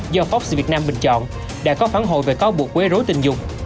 do fox việt nam bình chọn đã có phán hội về có buộc quế rối tình dục